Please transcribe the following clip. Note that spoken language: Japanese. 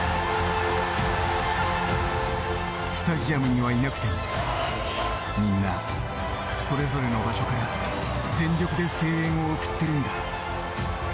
スタジアムにはいなくても、みんな、それぞれの場所から全力で声援を送ってるんだ。